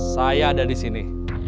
saya ada di sini